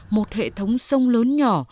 một hệ thống sông lớn nhỏ